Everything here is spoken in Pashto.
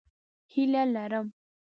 هیله لرم